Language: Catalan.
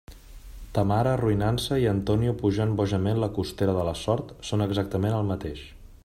Ta mare arruïnant-se i Antonio pujant bojament la costera de la sort, són exactament el mateix.